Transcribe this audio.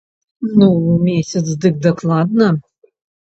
Ну, месяц дык дакладна.